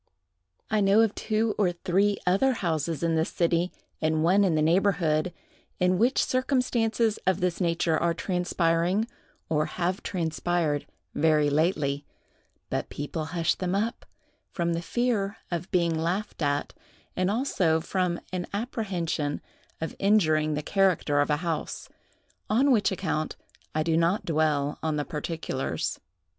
I know of two or three other houses in this city, and one in the neighborhood, in which circumstances of this nature are transpiring, or have transpired very lately; but people hush them up, from the fear of being laughed at, and also from an apprehension of injuring the character of a house; on which account, I do not dwell on the particulars.